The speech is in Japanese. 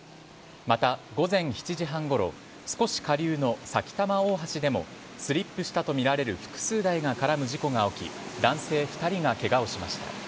また、午前７時半ごろ少し下流の埼玉大橋でもスリップしたとみられる複数台が絡む事故が起き男性２人がケガをしました。